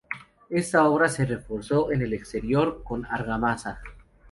Esta obra se reforzó en el exterior con argamasa.